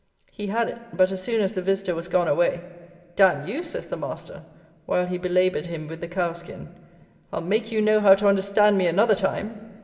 He had it; but as soon as the visitor was gone away, "D n you," says the master, while he belaboured him with the "cowskin," "I'll make you know how to understand me another time!"